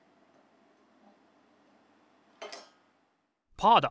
パーだ！